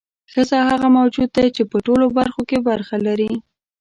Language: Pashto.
ښځه هغه موجود دی چې په ټولو برخو کې برخه لري.